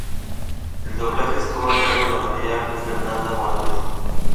El doblaje estuvo a cargo de María Fernanda Morales.